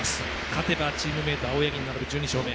勝てば、チームメート青柳に並ぶ１２勝目。